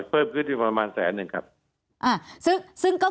เพิ่มขึ้นที่ประมาณแสนหนึ่งครับ